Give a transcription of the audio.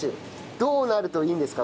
どうなるといいんですか？